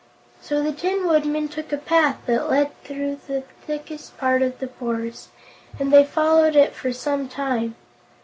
So the Tin Woodman took a path that led through the thickest part of the forest, and they followed it for some time.